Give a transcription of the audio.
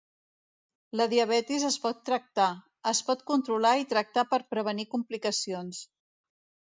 La diabetis es pot tractar, es pot controlar i tractar per prevenir complicacions.